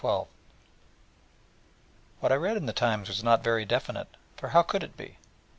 What I read in the Times was not very definite, for how could it be?